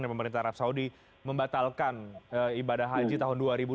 pemerintah arab saudi membatalkan ibadah haji tahun dua ribu dua puluh